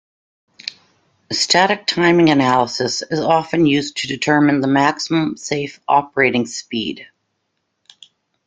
Static timing analysis is often used to determine the maximum safe operating speed.